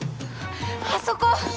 あそこ！